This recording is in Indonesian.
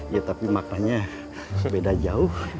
ya tapi maknanya beda jauh